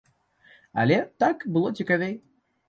Але так было цікавей.